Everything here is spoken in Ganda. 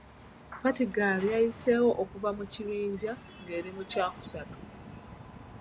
Portigal yayiseewo okuva mu kibinja ng’eri mu kyakusatu.